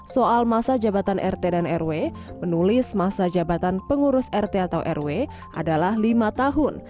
soal masa jabatan rt dan rw menulis masa jabatan pengurus rt atau rw adalah lima tahun